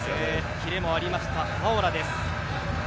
キレもありましたファオラです。